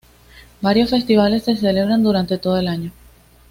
Varios festivales se celebran durante todo el año.